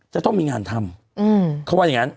จะต้องมีงานทำเขาว่าอย่างนั้น